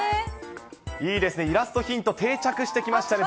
いいですね、イラストヒント、定着してきましたね。